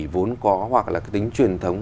vốn có hoặc là cái tính truyền thống